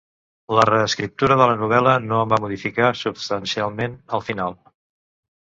La reescriptura de la novel·la no en va modificar substancialment el final.